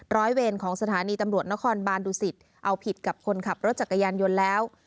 ร้อยเวรของสถานีตำรวจนครบานดุสิตเอาผิดกับคนขับรถจักรยานยนต์แล้ว